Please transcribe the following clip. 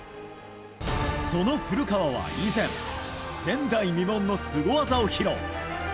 その古川は以前前代未聞のスゴ技を披露。